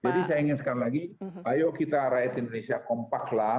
jadi saya ingin sekali lagi ayo kita rakyat indonesia kompaklah